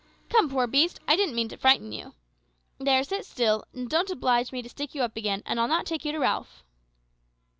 Come, poor beast; I didn't mean to frighten you. There, sit still, and don't oblige me to stick you up again, and I'll not take you to Ralph."